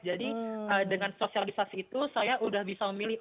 jadi dengan sosialisasi itu saya sudah bisa memilih